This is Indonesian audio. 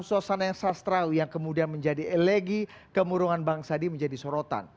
suasana yang sastra yang kemudian menjadi elegi kemurungan bangsa ini menjadi sorotan